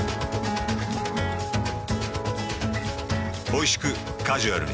おいしくカジュアルに。